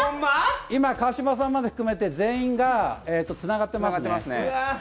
今、川島さんまで含めて全員がつながってますね。